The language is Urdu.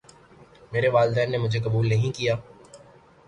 میرے والدین نے مجھے قبول نہیں کیا